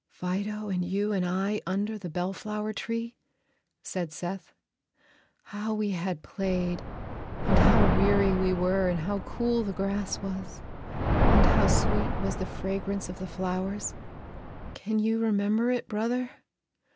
"Fido and you and I, under the bellflower tree," said Seth. "How we had played, and how weary we were, and how cool the grass was, and how sweet was the fragrance of the flowers! Can you remember it, brother?"